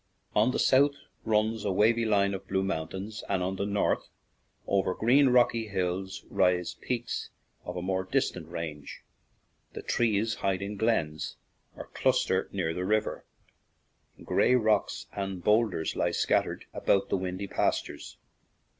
On the south runs a wavy line of blue moun tains; and on the north, over green, rocky hills, rise peaks of a more distant range. The trees hide in glens, or cluster near the river ; gray rocks and boulders lie scattered about the windy pastures.